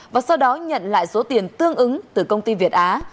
và sau đó nhận lại số tiền tương ứng từ công ty việt á